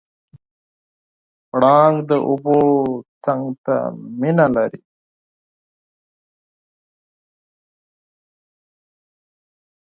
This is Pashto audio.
پړانګ د اوبو څنګ ته مینه لري.